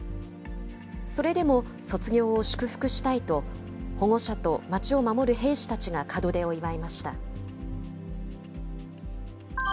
それでも卒業を祝福したいと、保護者と町を守る兵士たちが門出を祝いました。